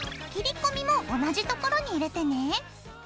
切り込みも同じところに入れてね。